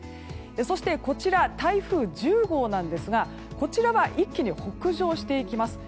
そして、台風１０号ですが一気に北上していきます。